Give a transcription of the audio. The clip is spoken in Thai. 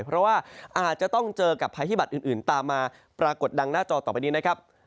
เพราะว่าอาจจะต้องเจอกับภัยพิบัตรอื่นตามมาปรากฏดังหน้าจอต่อไปนี้นะครับ